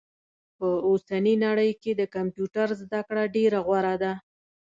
په اوسني نړئ کي د کمپيوټر زده کړه ډيره غوره ده